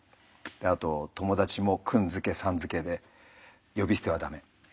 あと友達も君付けさん付けで呼び捨てはダメ。